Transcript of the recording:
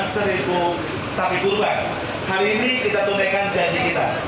seribu sapi korban hari ini kita tunekan janji kita